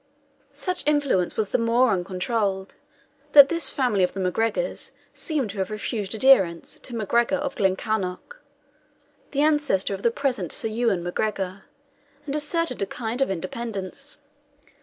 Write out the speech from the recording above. Such influence was the more uncontrolled, that this family of the MacGregors seemed to have refused adherence to MacGregor of Glencarnock, the ancestor of the present Sir Ewan MacGregor, and asserted a kind of independence.